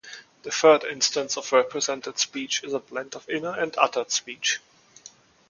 The third instance of represented speech is a blend of inner and uttered speech.